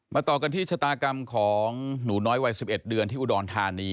ต่อกันที่ชะตากรรมของหนูน้อยวัย๑๑เดือนที่อุดรธานี